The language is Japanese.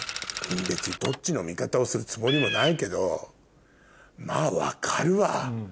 別にどっちの味方をするつもりもないけどまぁ分かるわ。